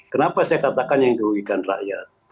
kenapa saya katakan yang dirugikan rakyat